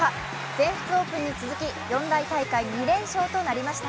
全仏オープンに続き、四大大会２連勝となりました。